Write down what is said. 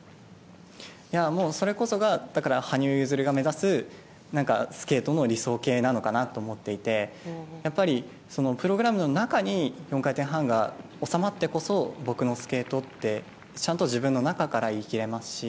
それこそが羽生結弦が目指すスケートの理想形なのかなと思っていてやっぱりプログラムの中に４回転半が収まってこそ僕のスケートってちゃんと自分の中から言い切れますし。